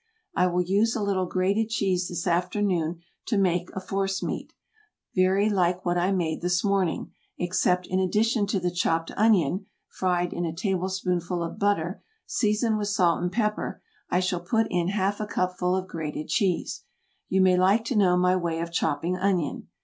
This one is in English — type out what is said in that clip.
I will use a little grated cheese this afternoon to make a force meat very like what I made this morning, except in addition to the chopped onion, fried in a tablespoonful of butter, seasoned with salt and pepper, I shall put in half a cupful of grated cheese. You may like to know my way of chopping onion.